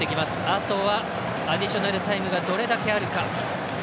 あとはアディショナルタイムがどれだけあるか。